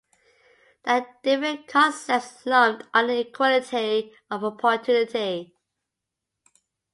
There are different concepts lumped under equality of opportunity.